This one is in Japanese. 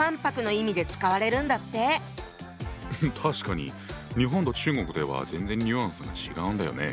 確かに日本と中国では全然ニュアンスが違うんだよね。